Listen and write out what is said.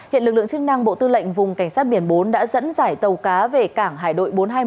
hiện lực lượng chức năng bộ tư lệnh vùng cảnh sát biển bốn đã dẫn dải tàu cá về cảng hải đội bốn trăm hai mươi một